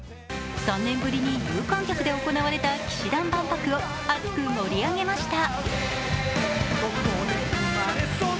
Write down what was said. ３年ぶりに有観客で行われた氣志團万博を熱く盛り上げました。